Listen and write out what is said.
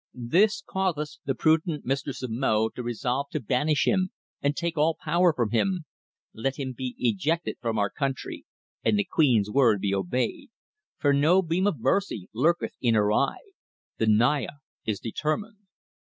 This causeth the prudent Mistress of Mo to resolve to banish him and take all power from him. Let him be ejected from our country and the queen's word be obeyed, for no beam of mercy lurketh in her eye. The Naya is determined."